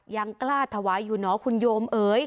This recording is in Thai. ยังกล้าถวายอยู่เนาะคุณโยมเอ๋ย